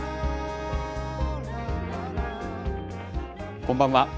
こんばんは。